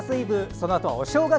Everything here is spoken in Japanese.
そのあとはお正月。